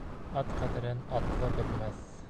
Ат ҡәҙерен атлы белмәҫ